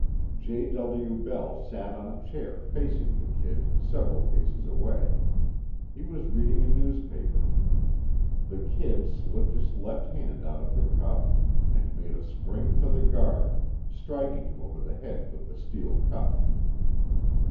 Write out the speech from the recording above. J. W. Bell sat on a chair, facing the "Kid," several paces away. He was reading a newspaper. The "Kid" slipped his left hand out of the cuff and made a spring for the guard, striking him over the head with the steel cuff.